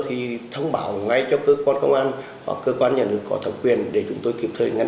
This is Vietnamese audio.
thì thông báo ngay cho cơ quan công an hoặc cơ quan nhà nước có thẩm quyền để chúng tôi kịp thời ngăn